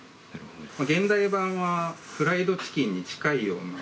現代版はフライドチキンに近いような、